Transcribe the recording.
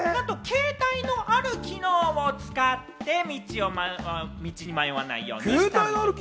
携帯のある機能を使って道に迷わないようにしたんです。